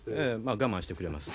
我慢してくれます。